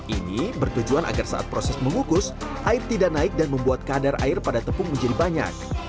ini bertujuan agar saat proses mengukus air tidak naik dan membuat kadar air pada tepung menjadi banyak